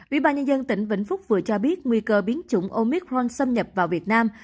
ủy ban nhân dân tỉnh vĩnh phúc vừa cho biết nguy cơ biến chủng omic rong xâm nhập vào việt nam